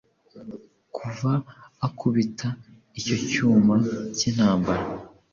Kuva akubitaicyo cyuma cyintambara